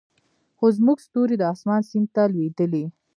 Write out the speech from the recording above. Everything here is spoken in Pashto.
خو زموږ ستوري د اسمان سیند ته لویدلې